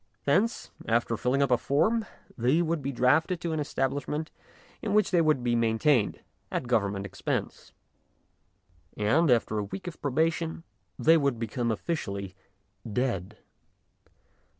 Thence, after filling up a form, they would be drafted to an establishment in which they would be maintained at Government expense, and, after a week of probation, they would become officially dead.